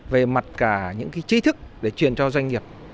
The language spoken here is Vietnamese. về mặt cả những trí thức để truyền cho doanh nghiệp